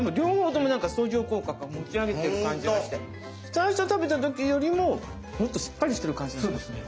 最初食べた時よりももっとしっかりしてる感じがしますね。